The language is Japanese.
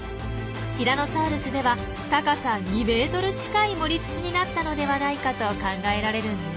ティラノサウルスでは高さ２ｍ近い盛り土になったのではないかと考えられるんです。